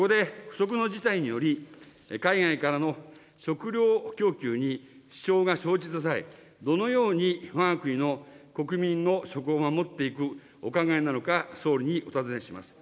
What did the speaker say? そこで不測の事態により、海外からの食料供給に支障が生じた際、どのようにわが国の国民の食を守っていくお考えなのか、総理にお尋ねします。